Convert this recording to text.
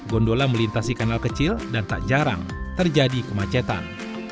gondola melintasi kanal kecil dan tak jarang terjadi kemacetan